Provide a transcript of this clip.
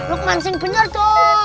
lukman sing bener tuh